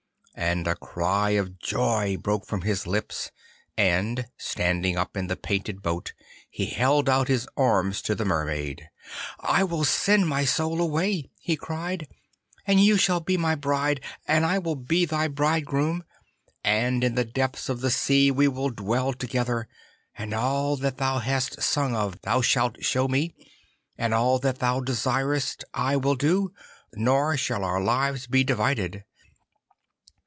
And a cry of joy broke from his lips, and standing up in the painted boat, he held out his arms to the Mermaid. 'I will send my soul away,' he cried, 'and you shall be my bride, and I will be thy bridegroom, and in the depth of the sea we will dwell together, and all that thou hast sung of thou shalt show me, and all that thou desirest I will do, nor shall our lives be divided.